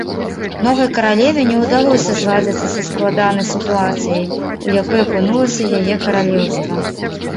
Новай каралеве не ўдалося зладзіцца са складанай сітуацыяй, у якой апынулася яе каралеўства.